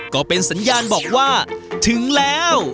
ก็เป็นสัญญาณบอกว่าถึงแล้ว